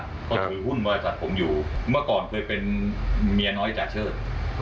ก็ถือหุ้นบริษัทผมอยู่เมื่อก่อนเคยเป็นเมียน้อยจ่าเชิด